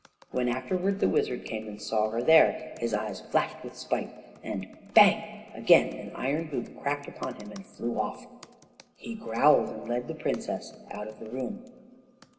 When afterward the wizard came and saw her there, his eyes flashed with spite, and bang! again an iron hoop cracked upon him and flew off. He growled and led the princess out of the room.